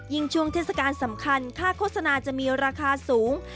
ช่วงเทศกาลสำคัญค่าโฆษณาจะมีราคาสูง